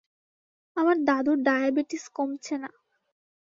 আমার দাদুর ডায়াবেটিস কমছে না।